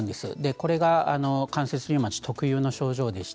それが関節リウマチ特有の特徴です。